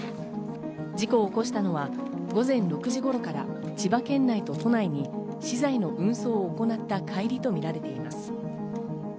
事故を起こしたのは午前６時頃から千葉県内と都内に資材の運送を行った帰りとみられています。